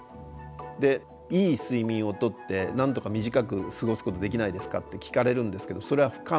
でいい睡眠をとってなんとか短く過ごすことできないですかって聞かれるんですけどそれは不可能ですね。